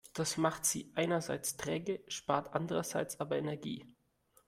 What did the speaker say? Das macht sie einerseits träge, spart andererseits aber Energie.